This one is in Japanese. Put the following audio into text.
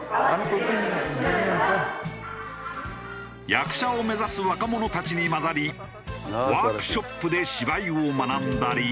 役者を目指す若者たちに交ざりワークショップで芝居を学んだり。